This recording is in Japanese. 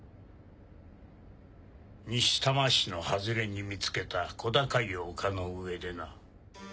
西多摩市の外れに見つけた小高い丘の上でな。